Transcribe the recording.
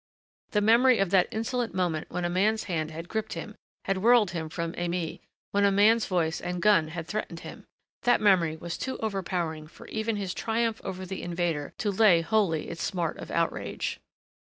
The memory of that insolent moment when a man's hand had gripped him, had whirled him from Aimée when a man's voice and gun had threatened him that memory was too overpowering for even his triumph over the invader to lay wholly its smart of outrage.